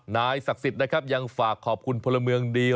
นายศักดิ์สิทธิ์นะครับยังฝากขอบคุณพลเมืองดี